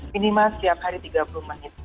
minimal setiap hari tiga puluh menit